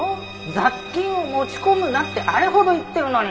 雑菌を持ち込むなってあれほど言ってるのに。